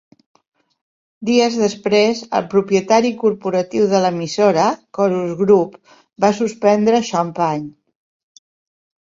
Dies després, el propietari corporatiu de l'emissora, Corus Group, va suspendre Champagne.